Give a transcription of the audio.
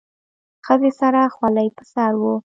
ښځې سره خولۍ په سر وه.